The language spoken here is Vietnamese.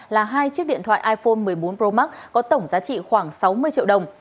là hai chiếc điện thoại iphone một mươi bốn pro max có tổng giá trị khoảng sáu mươi triệu đồng